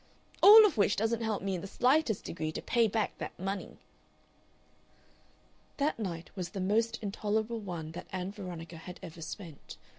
"All of which doesn't help me in the slightest degree to pay back that money." That night was the most intolerable one that Ann Veronica had ever spent.